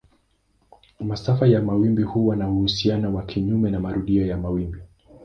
Masafa ya mawimbi huwa na uhusiano wa kinyume na marudio ya wimbi.